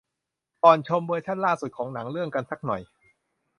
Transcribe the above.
ก่อนชมเวอร์ชั่นล่าสุดของหนังเรื่อง กันสักหน่อย